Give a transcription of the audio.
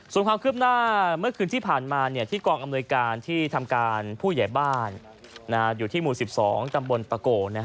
ส่วนความคืบหน้าเมื่อคืนที่ผ่านมาที่กองอำนวยการที่ทำการผู้ใหญ่บ้านอยู่ที่หมู่๑๒ตำบลตะโก